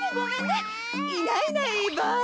いないいないばあ！